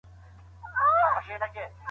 نظم ټولنه خوندي ساتي.